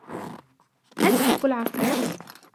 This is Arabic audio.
هل تحب العصير?